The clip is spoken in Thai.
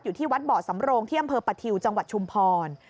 อยู่ที่วัดเบาะสำโรงที่อำเภอประทิวจังหวัดชุมพร